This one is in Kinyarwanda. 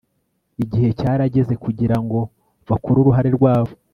igihe cyarageze kugira ngo bakore uruhare rwabo